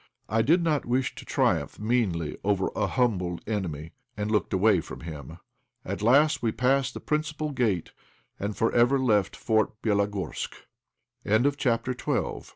I did not wish to triumph meanly over a humbled enemy, and looked away from him. At last we passed the principal gate, and for ever left Fort Bélogorsk. CHAPTER XIII.